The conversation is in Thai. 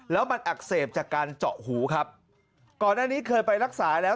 แล้วมันอักเสบจากการเจาะหูครับก่อนหน้านี้เคยไปรักษาแล้ว